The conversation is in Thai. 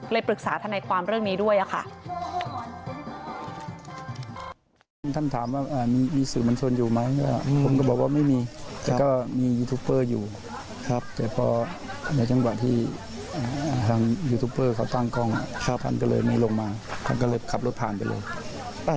ปรึกษาทนายความเรื่องนี้ด้วยค่ะ